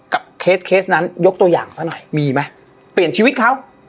เคสเคสนั้นยกตัวอย่างซะหน่อยมีไหมเปลี่ยนชีวิตเขา